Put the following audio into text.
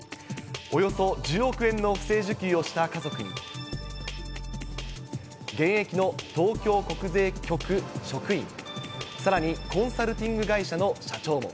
およそ１０億円の不正受給をした家族に、現役の東京国税局職員、さらにコンサルティング会社の社長も。